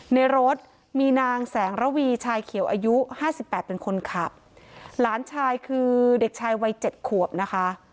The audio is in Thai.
ในรถมีนางแสงระวีชายเขียวอายุห้าสิบแปดเป็นคนขับหลานชายคือเด็กชายวัยเจ็ดขวบนะคะ